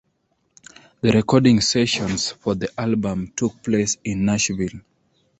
The recording sessions for the album took place in Nashville.